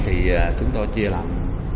thì chúng tôi chia làm